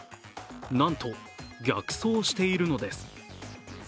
なんと、逆送しているのです。